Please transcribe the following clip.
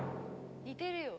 似てるよ。